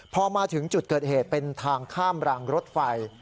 พอมาถึงจุดเกิดเหตุเป็นทางข้ามรางรถไฟ